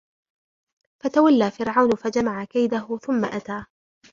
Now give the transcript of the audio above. فَتَوَلَّى فِرْعَوْنُ فَجَمَعَ كَيْدَهُ ثُمَّ أَتَى